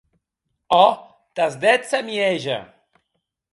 Òc, tàs dètz e mieja.